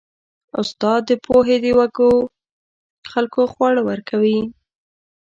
استاد د پوهې د وږو خلکو خواړه ورکوي.